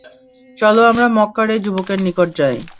চল আমরা মক্কার এই যুবকের নিকট যাই।